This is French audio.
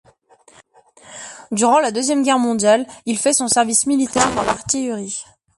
Durant la Deuxième Guerre mondiale, il fait son service militaire dans l'artillerie.